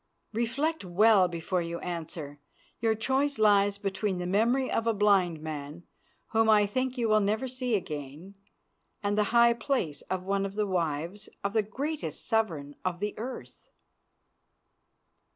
Reflect well before you answer. Your choice lies between the memory of a blind man, whom I think you will never see again, and the high place of one of the wives of the greatest sovereign of the earth."